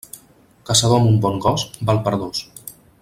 Caçador amb un bon gos, val per dos.